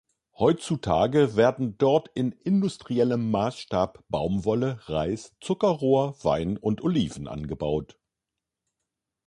Heutzutage werden dort in industriellem Maßstab Baumwolle, Reis, Zuckerrohr, Wein und Oliven angebaut.